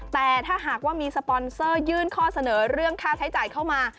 แต่ถ้าหากว่ามีสปอนเซอร์ยื่นข้อเสนอเรื่องค่าใช้จ่ายเข้ามา